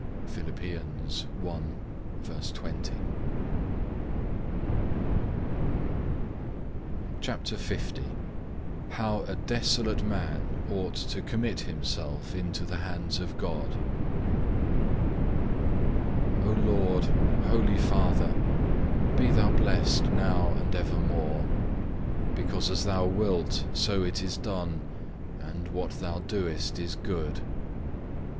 (1) (1) Philippians i. 20. CHAPTER L How a desolate man ought to commit himself into the hands of God O Lord, Holy Father, be Thou blessed now and evermore; because as Thou wilt so it is done, and what Thou doest is good.